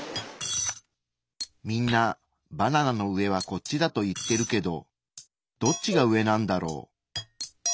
みんなバナナの上はこっちだと言ってるけどどっちが上なんだろう？